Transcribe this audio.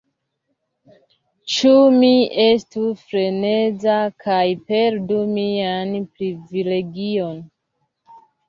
Ĉu mi estu freneza kaj perdu mian privilegion?